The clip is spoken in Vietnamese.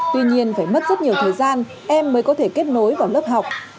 tuy nhiên phải mất rất nhiều thời gian em mới có thể kết nối vào lớp học